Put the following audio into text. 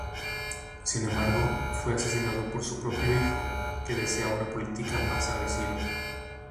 Sin embargo, fue asesinado por su propio hijo, que deseaba una política más agresiva.